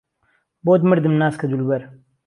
بۆت مردم ناسکە دولبەر